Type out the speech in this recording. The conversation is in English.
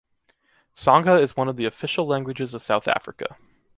Tsonga is one of the official languages of South Africa.